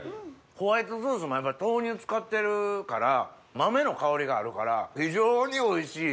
ホワイトソースも豆乳使ってるから豆の香りがあるから非常においしい。